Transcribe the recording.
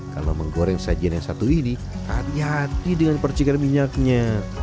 kalau menggoreng sajian yang satu ini hati hati dengan percikan minyaknya